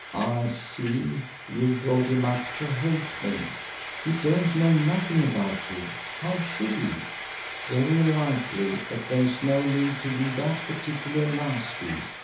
"I see, you've brought him up to hate me?" "He don't know nothing about you how should 'e?" "Very likely; but there's no need to be that particular nasty.